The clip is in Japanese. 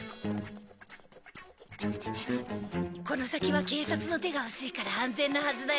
この先は警察の手が薄いから安全なはずだよ。